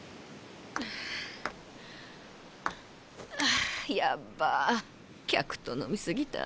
あやっば客と飲み過ぎた。